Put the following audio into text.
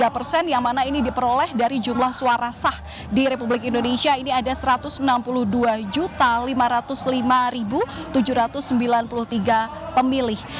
tiga persen yang mana ini diperoleh dari jumlah suara sah di republik indonesia ini ada satu ratus enam puluh dua lima ratus lima tujuh ratus sembilan puluh tiga pemilih